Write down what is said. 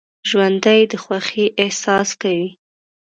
ژوندي د خوښۍ احساس کوي